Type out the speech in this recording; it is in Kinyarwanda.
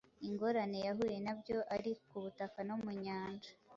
ingorane yahuye nabyo ari ku butaka no mu nyanja,